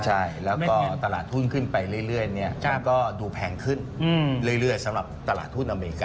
ใช่แล้วก็ตลาดทุนขึ้นไปเรื่อยมันก็ดูแพงขึ้นเรื่อยสำหรับตลาดทุนอเมริกา